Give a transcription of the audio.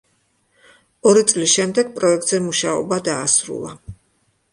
ორი წლის შემდეგ პროექტზე მუშაობა დაასრულა.